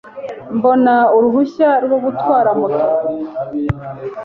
mbona uruhushya rwo gutwara Moto,